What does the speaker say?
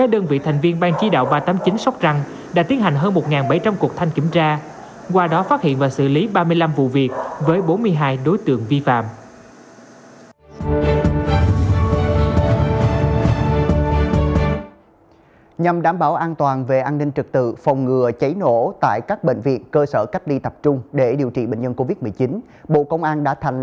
đoàn kiểm tra liên ngành ban chí đạo ba trăm tám mươi chín của tỉnh đã tăng cường công tác kiểm soát kiểm soát